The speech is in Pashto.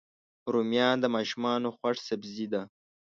رومیان د ماشومانو خوښ سبزي ده